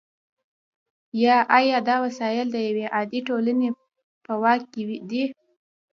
یا آیا دا وسایل د یوې عادلې ټولنې په واک کې دي؟